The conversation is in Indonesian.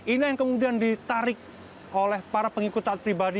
ini yang kemudian ditarik oleh para pengikut taat pribadi